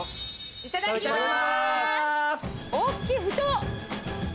いただきます！